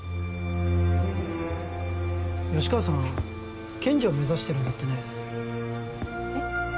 吉川さん検事を目指してるんだってねえっ？